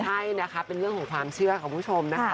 ใช่นะคะเป็นเรื่องของความเชื่อของคุณผู้ชมนะคะ